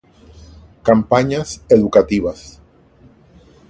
Campañas educativas